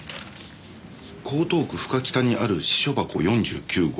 江東区深北にある私書箱４９号。